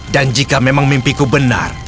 dan jika memang mimpiku benar